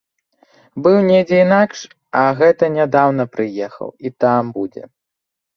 Быў недзе інакш, а гэта нядаўна прыехаў і там будзе.